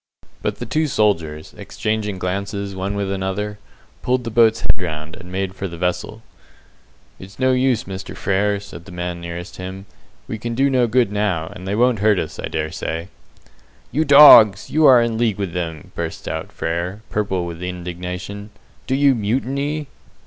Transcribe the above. But the two soldiers, exchanging glances one with the other, pulled the boat's head round, and made for the vessel. "It's no use, Mr. Frere," said the man nearest him; "we can do no good now, and they won't hurt us, I dare say." "You dogs, you are in league with them," bursts out Frere, purple with indignation. "Do you mutiny?"